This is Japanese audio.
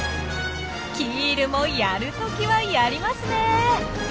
キールもやる時はやりますねえ。